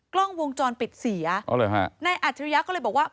กล้องวงจรปิดเสียในอัตรยะก็เลยบอกว่า